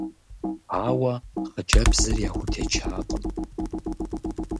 Ауэ хъыджэбзыр яхутечакъым.